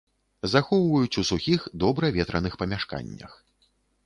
Захоўваюць у сухіх, добра ветраных памяшканнях.